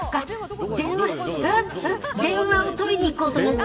電話を取りに行こうと思って。